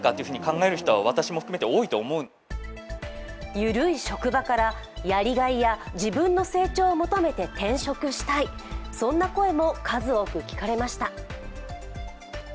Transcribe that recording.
ゆるい職場からやりがいや自分の成長を求めて転職したい、そんな声も数多く聞かれました。